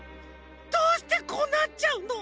どうしてこうなっちゃうの！？